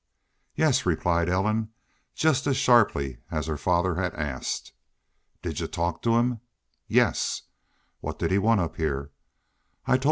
"Yes," replied Ellen, just as sharply as her father had asked. "Did y'u talk to him?" "Yes." "What did he want up heah?" "I told y'u.